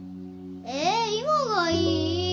え今がいい！